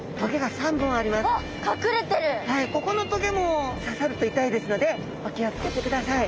ここの棘もささると痛いですのでお気を付けてください。